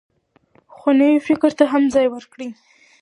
خو نوي فکر ته هم ځای ورکړئ.